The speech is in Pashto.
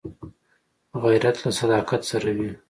غیرت له صداقت سره وي